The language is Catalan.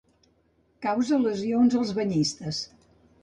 Causa lesions als banyistes.